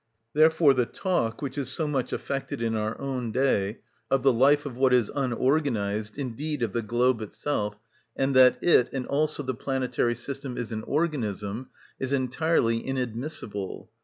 Therefore the talk, which is so much affected in our own day, of the life of what is unorganised, indeed of the globe itself, and that it, and also the planetary system, is an organism, is entirely inadmissible.